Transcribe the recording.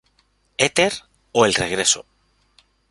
Éter o El regreso.